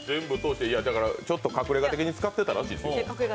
ちょっと隠れ家的に使ってたらしいですよ。